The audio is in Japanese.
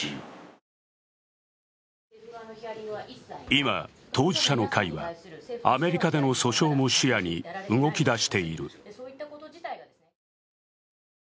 今、当事者の会はアメリカでの訴訟も視野に動きだしている。